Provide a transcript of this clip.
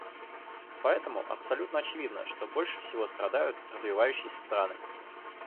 Поэтому абсолютно очевидно, что больше всего страдают развивающиеся страны.